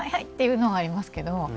っていうのはありますけど。